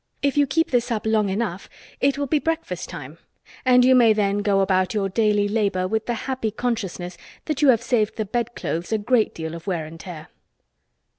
If you keep this up long enough it will be breakfast time, and you may then go about your daily labor with the happy consciousness that you have saved the bed clothes a great deal of wear and tear.